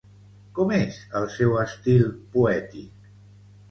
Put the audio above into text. Com és el seu estil poètic?